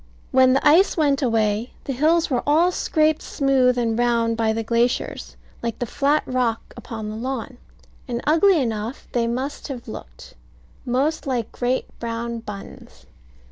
When the ice went away, the hills were all scraped smooth and round by the glaciers, like the flat rock upon the lawn; and ugly enough they must have looked, most like great brown buns.